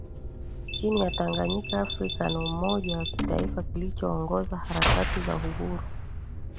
chini ya Tanganyika African umoja wa kitaifa kilichoongoza harakati za uhuru